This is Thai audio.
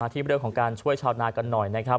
ที่เรื่องของการช่วยชาวนากันหน่อยนะครับ